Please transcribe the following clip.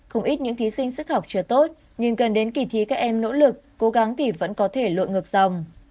không ít những thí sinh sức học chưa tốt nhưng cần đến kỳ thi các em nỗ lực cố gắng thì vẫn có thể lội ngược dòng